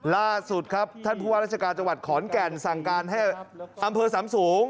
ล่าสุดครับท่านผู้ว่าราชการจังหวัดขอนแก่นสั่งการให้อำเภอสามสูง